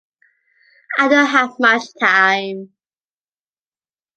I don’t have much time.